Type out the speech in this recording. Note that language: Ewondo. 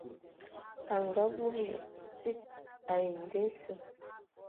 A ngaavúbulu tsid ai nda esǝ.